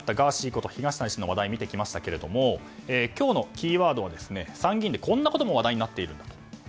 こと東谷氏を見てきましたが今日のキーワードは参議院でこんなことも話題になっているんだと。